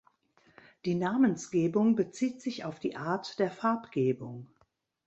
Die Namensgebung bezieht sich auf die Art der Farbgebung.